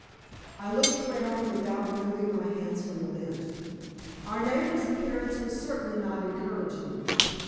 I looked round without removing my hands from the lint. Our neighbor's appearance was certainly not encouraging.